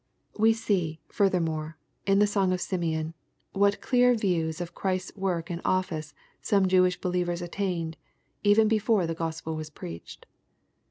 We see, furthermore, in the song of Simeon, what dear views of Chrisfs work and office some Jewish believers aUainedj even before the Gospel was preached.